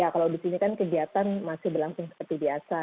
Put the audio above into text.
kalau di sini kan kegiatan masih berlangsung seperti biasa